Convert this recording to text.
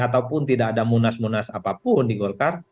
ataupun tidak ada munas munas apapun di golkar